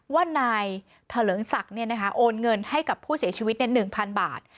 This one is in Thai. ว่านายเถลิงศักดิ์โอนเงินให้กับผู้เสียชีวิต๑๐๐๐บาท